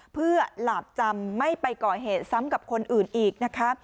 เพื่อหลาบจำไม่ไปก่อเหตุซ้ำกับคนอื่นอีกนะคะ